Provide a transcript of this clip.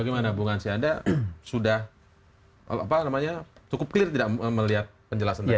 bagaimana bu hansi anda sudah cukup clear tidak melihat penjelasan tersebut